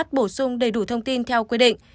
bổ sung đầy đủ thông tin theo quy định